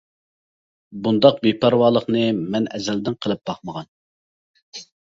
بۇنداق بىپەرۋالىقنى مەن ئەزەلدىن قىلىپ باقمىغان.